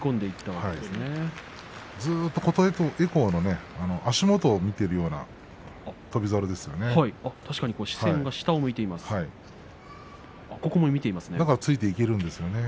ずっと琴恵光足元を見ているような視線が下を向いていますね。